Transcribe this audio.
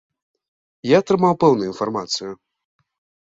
Я атрымаў пэўную інфармацыю.